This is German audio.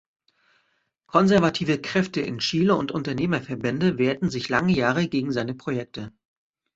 Konservative Kräfte in Chile und Unternehmerverbände wehrten sich lange Jahre gegen seine Projekte.